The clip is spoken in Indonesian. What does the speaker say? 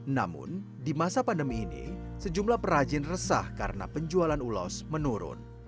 namun di masa pandemi ini sejumlah perajin resah karena penjualan ulos menurun